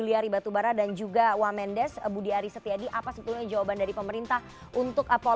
kita memberi data tambah nama nama pak